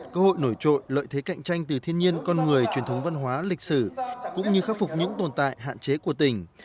cơ hội nổi trội lợi thế cạnh tranh từ thiên nhiên con người truyền thống văn hóa lịch sử cũng như khắc phục những tồn tại hạn chế của tỉnh